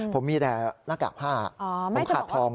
ผมมีแดละกากผ้าผมขาดทอง